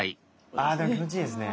あでも気持ちいいですね。